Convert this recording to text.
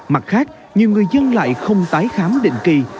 mặt khác nhiều người dân lại không tái khám định kỳ